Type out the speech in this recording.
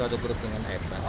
ya satu grup dengan airbus